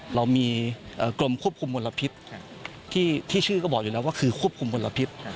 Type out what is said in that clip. เรามีกรมควบคุมมลพิษที่ชื่อก็บอกอยู่แล้วว่าคือควบคุมมลพิษ